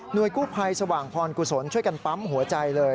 โดยกู้ภัยสว่างพรกุศลช่วยกันปั๊มหัวใจเลย